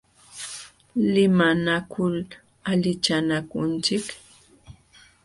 Limanakul allichanakunchik.